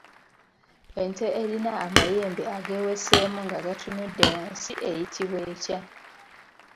Ente erina amayembe ageeweseemu nga gatunudde wansi eyitibwa etya?